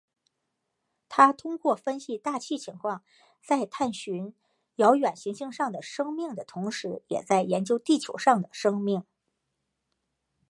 他通过分析大气情况在探寻遥远行星上的生命的同时也在研究地球上的生命。